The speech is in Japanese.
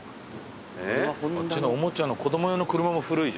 あっちのおもちゃの子供用の車も古いじゃん。